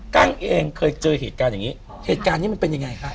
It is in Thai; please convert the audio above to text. ั้งเองเคยเจอเหตุการณ์อย่างนี้เหตุการณ์นี้มันเป็นยังไงคะ